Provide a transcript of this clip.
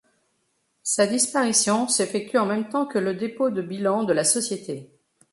Sa disparition s'effectue en même temps que le dépôt de bilan de la société.